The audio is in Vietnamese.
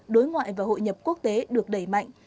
đối ngoại và hội nhập quốc tế được đẩy mạnh